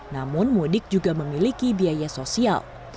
namun mudik juga memiliki biaya sosial